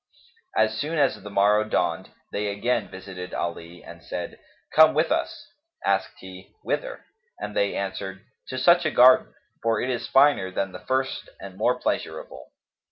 As soon as the morrow dawned, they again visited Ali and said, "Come with us." Asked he, "Whither?"; and they answered, "To such a garden; for it is finer than the first and more pleasurable."